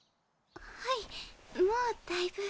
はいもうだいぶ。